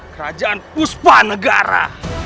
kerajaan puspa negara